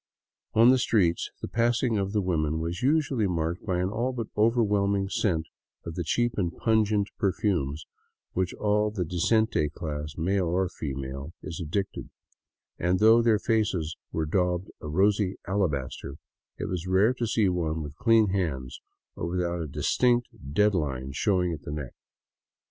On the street the pass ing of the women was usually marked by an all but overwhelming scent of the cheap and pungent perfumes to which all the " decente " class, male or female, is addicted, and though their faces were daubed a rosy alabaster, it was rare to see one with clean hands, or without a distinct dead line showing at the neck.